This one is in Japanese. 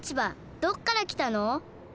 どっからきたの？